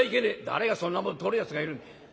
「誰がそんなもんとるやつがいるんだ」。